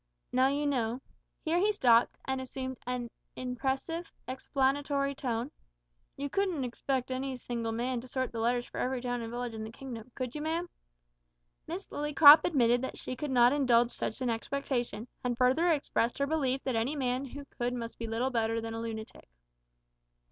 Now, you know" here he stopped and assumed an impressive explanatory tone "you couldn't expect any single man to sort the letters for every town and village in the kingdom could you, ma'am?" Miss Lillycrop admitted that she could not indulge such an expectation, and further expressed her belief that any man who could must be little better than a lunatic.